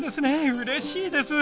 うれしいです。